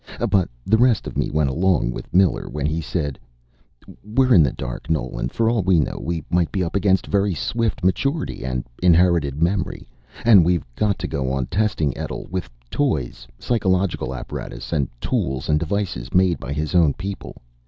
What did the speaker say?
But the rest of me went along with Miller when he said: "We're in the dark, Nolan. For all we know, we might be up against very swift maturity and inherited memory. And we've got to go on testing Etl ... with toys, psychological apparatus and tools and devices made by his own people.